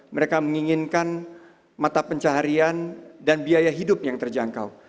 mereka menginginkan mata pencaharian dan biaya hidup yang terjangkau